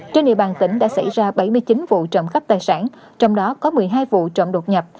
trên địa bàn tỉnh đã xảy ra bảy mươi chín vụ trộm cắp tài sản trong đó có một mươi hai vụ trộm đột nhập